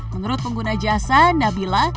menurut pengguna jasa nabila